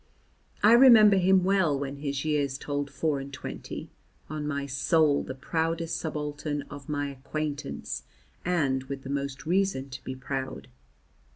I remember him well when his years told four and twenty; on my soul the proudest subaltern of my acquaintance, and with the most reason to be proud.